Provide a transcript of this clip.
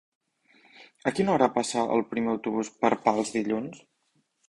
A quina hora passa el primer autobús per Pals dilluns?